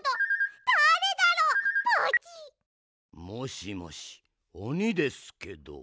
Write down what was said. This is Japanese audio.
もしもしおにですけど。